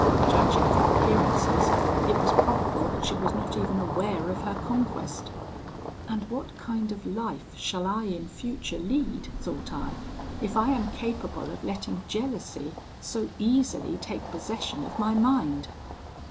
Judging from appearances, it was probable that she was not even aware of her conquest. 'And what kind of life shall I in future lead,' thought I, 'if I am capable of letting jealousy so easily take possession of my mind?'